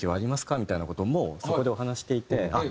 みたいな事をもうそこでお話ししていてあっ